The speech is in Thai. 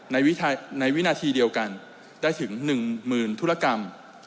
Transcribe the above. ในวินาทีเดียวกันได้ถึง๑๐๐๐ธุรกรรม